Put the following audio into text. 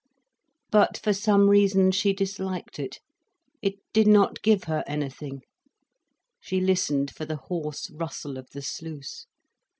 But for some reason she disliked it. It did not give her anything. She listened for the hoarse rustle of the sluice.